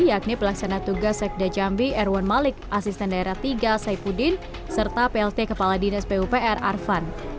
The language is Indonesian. yakni pelaksana tugas sekda jambi erwan malik asisten daerah tiga saipudin serta plt kepala dinas pupr arfan